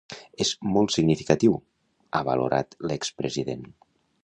“És molt significatiu”, ha valorat l’ex-president.